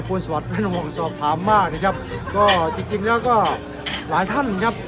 คุณสวัสดิไม่ต้องห่วงสอบถามมากนะครับก็จริงจริงแล้วก็หลายท่านครับ